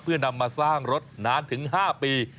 เพื่อนำมาสร้างรถนานถึง๕ปี